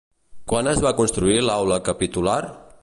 Quan es va construir l'Aula Capitular?